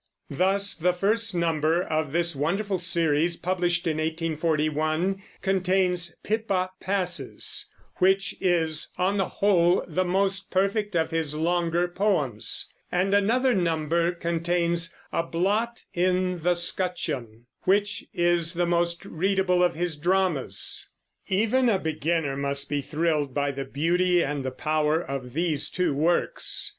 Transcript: Thus, the first number of this wonderful series, published in 1841, contains Pippa Passes, which is, on the whole, the most perfect of his longer poems; and another number contains A Blot in the 'Scutcheon, which is the most readable of his dramas. Even a beginner must be thrilled by the beauty and the power of these two works.